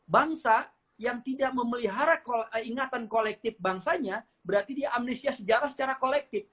bangsa yang tidak memelihara ingatan kolektif bangsanya berarti dia amnesia sejarah secara kolektif